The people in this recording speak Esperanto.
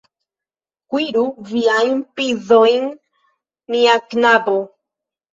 Kuiru viajn pizojn, mia knabo!